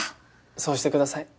そうしてください。